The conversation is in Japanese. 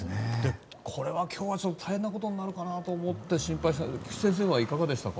これは今日は大変なことになるかなと思って心配してたんですけど菊地先生は、いかがでしたか。